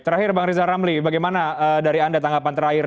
terakhir bang rizal ramli bagaimana dari anda tanggapan terakhir